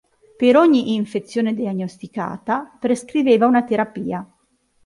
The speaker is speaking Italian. Per ogni infezione diagnosticata prescriveva una terapia.